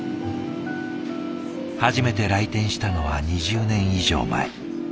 初めて来店したのは２０年以上前。